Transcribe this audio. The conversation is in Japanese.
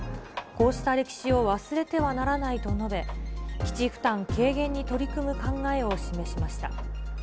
こうした歴史を忘れてはならないと述べ、基地負担軽減に取り組む考えを示しました。